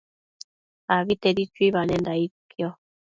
Abitedi chuibanenda aidquio